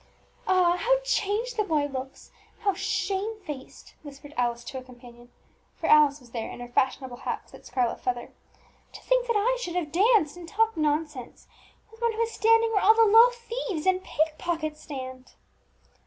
"Ah! how changed the poor boy looks how shamefaced!" whispered Alice to a companion; for Alice was there in her fashionable hat with its scarlet feather. "To think that I should have danced and talked nonsense with one who is standing where all the low thieves and pickpockets stand!"